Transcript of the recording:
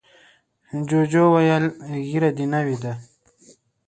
جوجو وویل ږیره دې نوې ده.